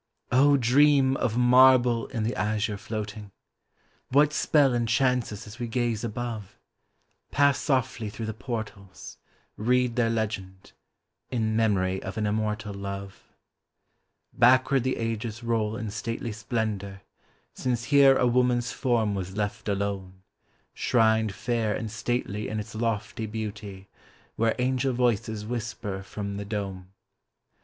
] DREAM of marble in the azure floating ! What spell enchants us as we gaze above ? Pass softly through the portals — read their legend, —" In memory of an immortal love." Backward the ages roll in stately splendor Since here a woman's form was left alone, Shrined fair and stately in its lofty beauty Where angel voices whisper from the dome.